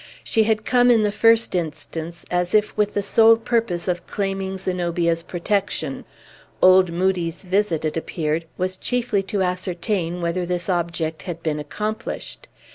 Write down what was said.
She had come, in the first instance, as if with the sole purpose of claiming Zenobia's protection. Old Moodie's visit, it appeared, was chiefly to ascertain whether this object had been accomplished.